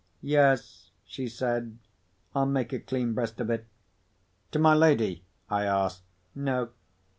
"Yes," she said, "I'll make a clean breast of it." "To my lady?" I asked. "No."